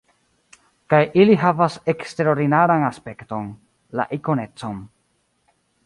Kaj ili havas eksterordinaran aspekton: la ikonecon.